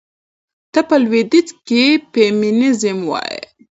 ته په لوىديځ کې فيمينزم وايي.